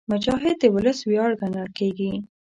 مجاهد د ولس ویاړ ګڼل کېږي.